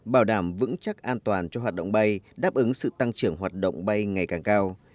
bảo đảm vững chắc an toàn cho hoạt động bay đáp ứng sự tăng trưởng hoạt động bay ngày càng cao